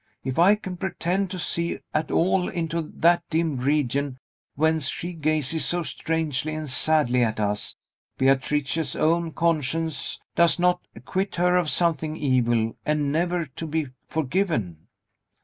If I can pretend to see at all into that dim region, whence she gazes so strangely and sadly at us, Beatrice's own conscience does not acquit her of something evil, and never to be forgiven!"